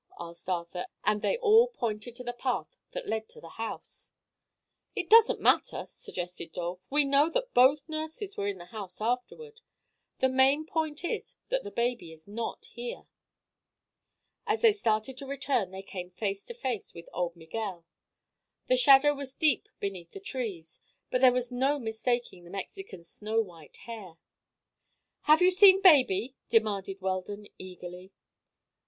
asked Arthur, and they all pointed to the path that led to the house. "It doesn't matter," suggested Dolph. "We know that both the nurses were in the house afterward. The main point is that the baby is not here." As they started to return they came face to face with old Miguel. The shadow was deep beneath the trees but there was no mistaking the Mexican's snow white hair. "Have you seen baby?" demanded Weldon eagerly.